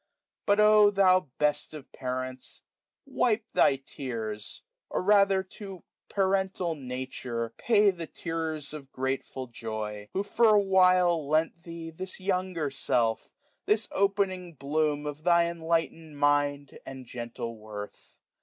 575 But, O thou best of parents ! wipe thy tears ; Or rather to Parental Nature pay The tear^ of gratefol joy ; who for a while Lent thee this younger self, this opening bloom Of thy enlightened mind and gentle worth.